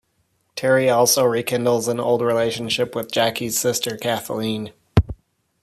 Terry also rekindles an old relationship with Jackie's sister Kathleen.